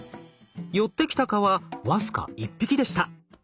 寄ってきた蚊は僅か１匹でした。